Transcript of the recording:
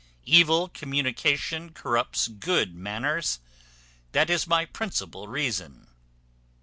Evil communication corrupts good manners. That is my principal reason.